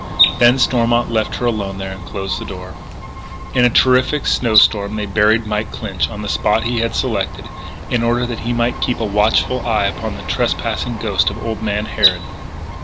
Then Stormont left her alone there and closed the door. In a terrific snow storm they buried Mike Clinch on the spot he had selected, in order that he might keep a watchful eye upon the trespassing ghost of old man Harrod.